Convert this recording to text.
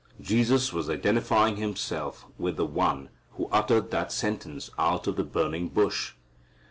Jesus was identifying Himself with the One who uttered that sentence out of the burning bush!